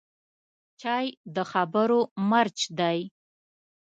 چای د خبرو مرچ دی